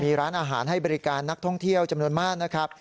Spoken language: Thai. มีร้านอาหารให้บริการนักท่องเที่ยวจำนวนมากนะครับ